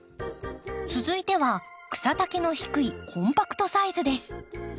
続いては草丈の低いコンパクトサイズです。